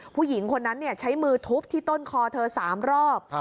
ผู้หญิงคนนั้นใช้มือทุบที่ต้นคอเธอ๓รอบ